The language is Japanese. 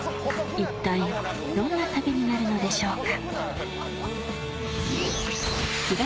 一体どんな旅になるのでしょうか？